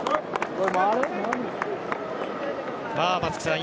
松木さん